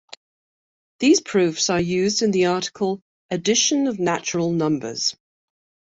These proofs are used in the article Addition of natural numbers.